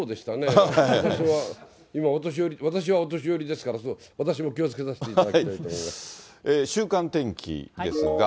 私は、今、お年寄り、私はお年寄りですから、私も気をつけさせていただきたいと思いま週間天気ですが。